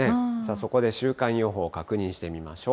そこで週間予報確認してみましょう。